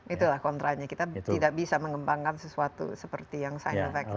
itulah kontra nya kita tidak bisa mengembangkan sesuatu seperti yang sinovac